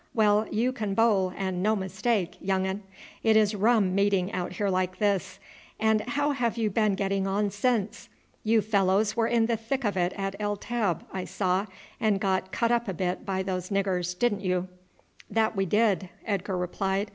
Well, you can bowl and no mistake, young un. It is rum meeting out here like this. And how have you been getting on since? You fellows were in the thick of it at El Teb, I saw; and got cut up a bit by those niggers, didn't you?" "That we did," Edgar replied.